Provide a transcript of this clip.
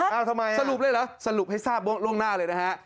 เอ้าทำไมเอ่อสรุปด้วยละสรุปให้ทราบล่วงหน้าเลยนะฮะ